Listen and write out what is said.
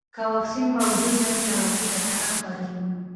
که واکسین موجود نه وي، ناروغي چټکه خپرېږي.